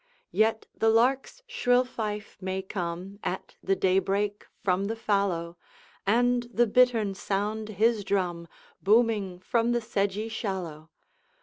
Yet the lark's shrill fife may come At the daybreak from the fallow, And the bittern sound his drum Booming from the sedgy shallow.